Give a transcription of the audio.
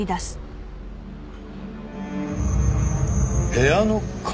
部屋の鍵？